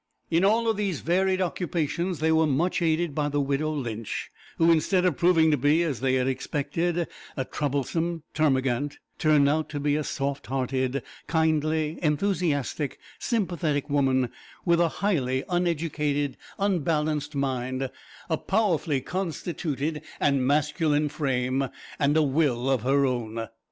In all these varied occupations they were much aided by the widow Lynch, who, instead of proving to be, as they had expected, a troublesome termagant, turned out to be a soft hearted, kindly, enthusiastic, sympathetic woman, with a highly uneducated, unbalanced mind, a powerfully constituted and masculine frame, and "a will of her own."